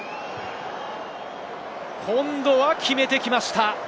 今度は決めてきました。